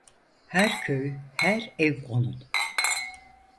Her köy, her ev onun…